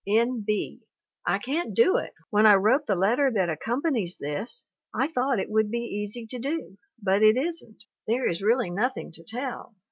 ] N. B. I can't do it, when I wrote the letter that accompanies this I thought it would be easy to do, but it isn't. There is really nothing tc* tell.